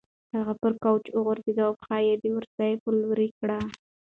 هغه پر کوچ وغځېده او پښې یې د اورسۍ په لور کړې.